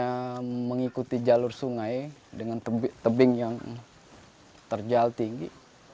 karena mengikuti jalur sungai dengan tebing yang terjal tinggi